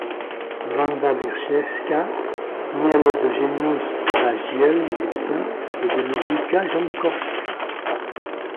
Wanda Wierzchleyska naît le d'Eugeniusz Wajgiel, médecin, et de Ludwika Jankowska.